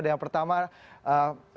yang pertama bapak